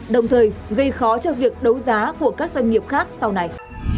đồng thời gây khó cho việc đấu giá của các doanh nghiệp khác sau này